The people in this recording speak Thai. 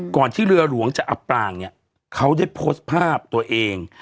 ที่เรือหลวงจะอับปรางเนี่ยเขาได้โพสต์ภาพตัวเอง